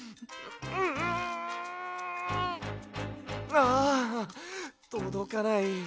ああとどかない。